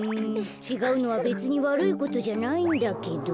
ちがうのはべつにわるいことじゃないんだけど。